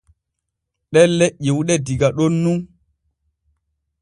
Ɗelle ƴiwuɗe diga ɗon nun.